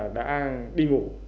đã đi ngủ